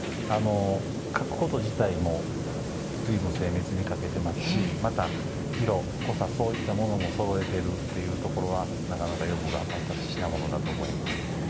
描くこと自体もずいぶん、精密に描けてますしまた、色、濃さそういったものもそろえているところはなかなかよく頑張った品物だと思います。